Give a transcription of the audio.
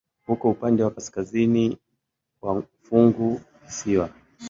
Uko upande wa kaskazini wa funguvisiwa.